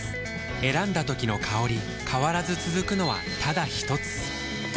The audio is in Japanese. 選んだ時の香り変わらず続くのはただひとつ？